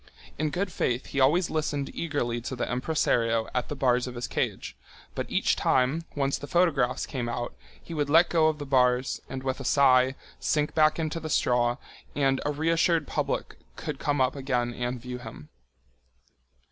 In good faith he always listened eagerly to the impresario at the bars of his cage, but each time, once the photographs came out, he would let go of the bars and, with a sigh, sink back into the straw, and a reassured public could come up again and view him.